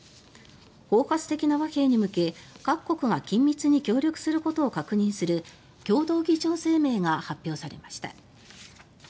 包括的な和平に向け各国が緊密に協力することを確認する共同議長声明が発表されました。